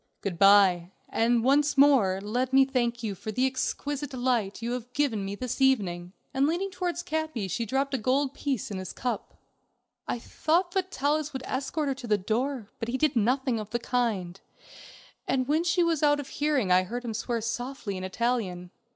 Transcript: "Good by, and once more let me thank you for the exquisite delight you have given me this evening." And leaning towards Capi she dropped a gold piece in his cup. I thought that Vitalis would escort her to the door, but he did nothing of the kind, and when she was out of hearing I heard him swear softly in Italian.